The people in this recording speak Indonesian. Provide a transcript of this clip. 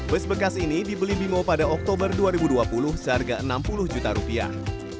bus bekas ini dibeli bimo pada oktober dua ribu dua puluh seharga enam puluh juta rupiah